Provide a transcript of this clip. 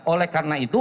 oleh karena itu